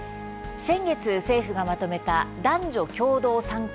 先月、政府がまとめた男女共同参画白書。